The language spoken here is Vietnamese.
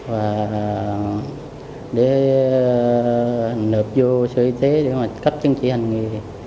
và để nộp vô sở y tế để cấp chứng chỉ hành nghề